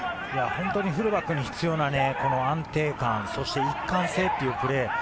本当にフルバックに必要な安定感、そして一貫性というプレー。